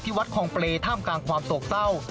วัดคลองเปรย์ท่ามกลางความโศกเศร้า